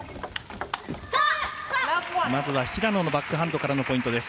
まずは平野のバックハンドからのポイントです。